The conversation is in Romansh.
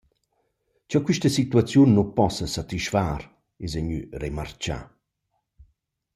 Cha quista situaziun nu possa satisfar, esa gnü remarchà.